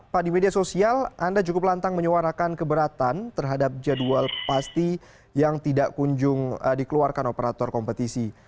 pak di media sosial anda cukup lantang menyuarakan keberatan terhadap jadwal pasti yang tidak kunjung dikeluarkan operator kompetisi